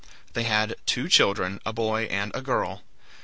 They had two children, a boy and a girl.